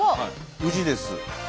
宇治です。